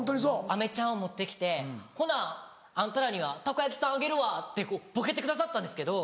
あめちゃんを持って来て「ほなあんたらにはたこ焼きさんあげるわ」ってボケてくださったんですけど